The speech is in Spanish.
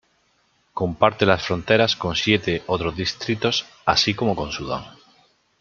Comparte las fronteras con siete otros distritos, así como con Sudán.